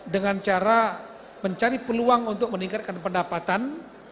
dengan cara mencari peluang untuk meningkatkan pendapatan